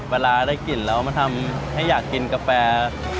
เวลาได้กลิ่นแล้วมาทำให้อยากกินกาแฟ